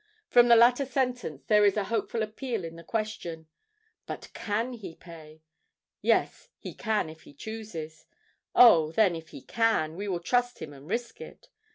From the latter sentence there is a hopeful appeal in the question—"But can he pay?" "Yes—he can, if he chooses." "Oh! then, if he can, we will trust him and risk it."